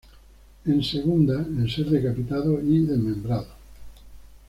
En segunda, en ser decapitados y desmembrados.